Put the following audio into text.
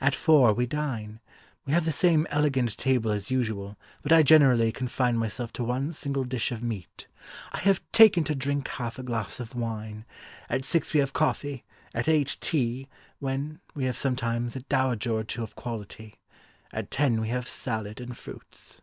At four we dine. We have the same elegant table as usual, but I generally confine myself to one single dish of meat. I have taken to drink half a glass of wine. At six we have coffee; at eight tea, when we have sometimes, a dowager or two of quality. At ten we have sallad and fruits."